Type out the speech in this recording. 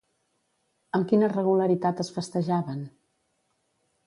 Amb quina regularitat es festejaven?